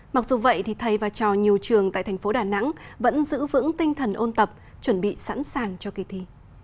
mặc dù vậy thì thầy và trò nhiều trường tại thành phố đà nẵng vẫn giữ vững tinh thần ôn tập chuẩn bị sẵn sàng cho kỳ thi